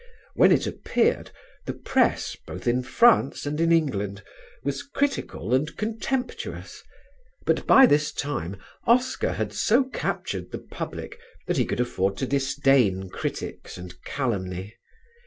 When it appeared, the press, both in France and in England, was critical and contemptuous; but by this time Oscar had so captured the public that he could afford to disdain critics and calumny.